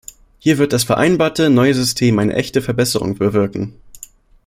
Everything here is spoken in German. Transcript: Hier wird das vereinbarte neue System eine echte Verbesserung bewirken.